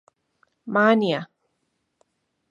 Mania